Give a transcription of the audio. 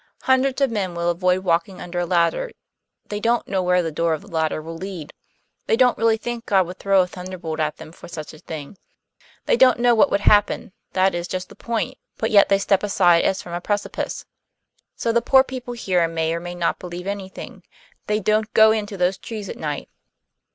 Hundreds of men will avoid walking under a ladder; they don't know where the door of the ladder will lead. They don't really think God would throw a thunderbolt at them for such a thing. They don't know what would happen, that is just the point; but yet they step aside as from a precipice. So the poor people here may or may not believe anything; they don't go into those trees at night."